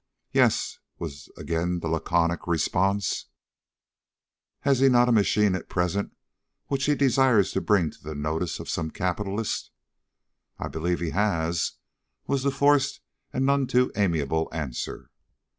"Yes," was again the laconic response. "Has he not a machine at present which he desires to bring to the notice of some capitalist?" "I believe he has," was the forced and none too amiable answer.